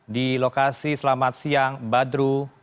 di lokasi selamat siang badru